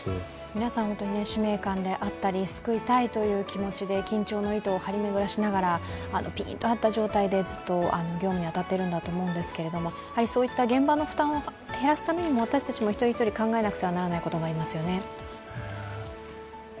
皆さん、使命感であったり救いたいという気持ちで緊張の糸を張り巡らせながら、緊張状態でずっと業務に当たっているんだと思うんですけど、そういった現場の負担を減らすためにも私たちも一人一人考えなくてはならないことがありますよね。